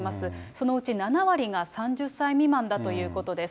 そのうち７割が３０歳未満だということです。